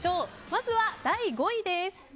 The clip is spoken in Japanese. まずは、第５位です。